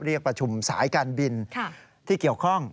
เรียกประชุมสายการบินที่เกี่ยวข้อง